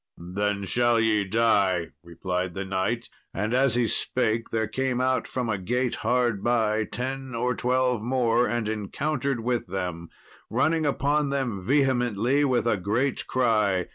"Then shall ye die," replied the knight, and as he spake there came out from a gate hard by, ten or twelve more, and encountered with them, running upon them vehemently with a great cry.